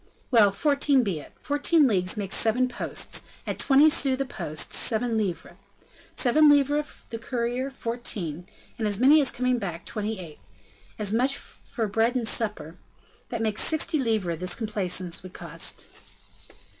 "Well! fourteen be it; fourteen leagues makes seven posts; at twenty sous the post, seven livres; seven livres the courier, fourteen; as many for coming back, twenty eight! as much for bed and supper, that makes sixty livres this complaisance would cost."